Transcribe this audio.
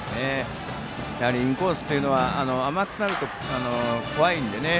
インコースというのは甘くなると怖いのでね。